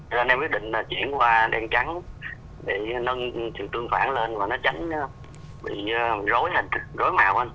cho nên em quyết định chuyển qua đen trắng để nâng sự tương phản lên và nó tránh bị rối màu anh